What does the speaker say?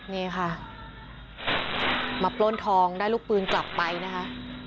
นี่ค่ะมาปล้นทองได้ลูกปืนกลับไปนะคะ